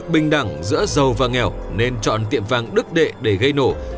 bình đẳng giữa giàu và nghèo nên chọn tiệm vàng đức đệ để gây nổ